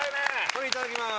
これいただきます